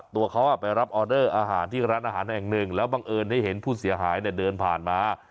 ตัวเขาไปรับออเดอร์อาหารที่ร้านอาหารแห่งหนึ่งแล้วบังเอิญให้เห็นผู้เสียหายเดินผ่านมา